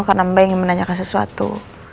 karena mbak ingin menanyakan sesuatu